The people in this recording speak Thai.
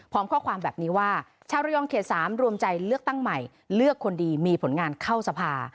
พร้อมข้อความแบบนี้ว่าชาวระยองเขต๓รวมใจเลือกตั้งใหม่เลือกคนดีมีผลงานเข้าสภา